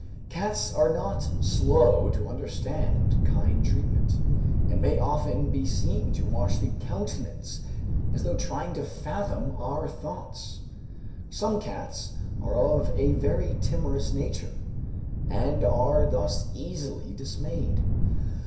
Cats are not slow to understand kind treatment, and may often be seen to watch the countenance as though trying to fathom our thoughts. Some cats are of a very timorous nature, and are thus easily dismayed.